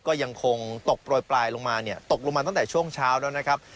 ก็ยังคงตกโปรยปลายลงมาเนี่ยตกลงมาตั้งแต่ช่วงเช้าแล้วนะครับ